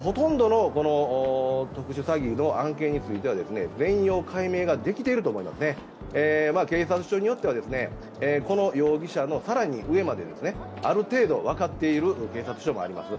そして、少し前の話なのでほとんどの特殊詐欺の案件については全容解明ができていると思いますね、警察署によってはこの容疑者の更に上まである程度、分かっている警察署もあります。